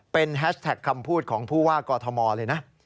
เป็นแฮชแท็กคำพูดของผู้ว่ากอทมเลยนะ